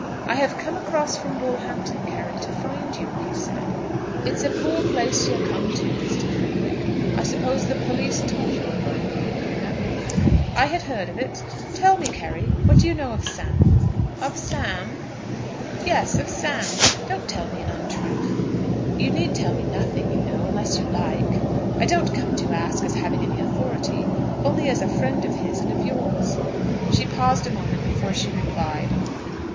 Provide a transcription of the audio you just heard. "I have come across from Bullhampton, Carry, to find you," he said. "It's a poor place you're come to, Mr. Fenwick. I suppose the police told you of my being here?" "I had heard of it. Tell me, Carry, what do you know of Sam?" "Of Sam?" "Yes of Sam. Don't tell me an untruth. You need tell me nothing, you know, unless you like. I don't come to ask as having any authority, only as a friend of his, and of yours." She paused a moment before she replied.